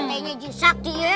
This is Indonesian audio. nggak ada yang bisa dikepung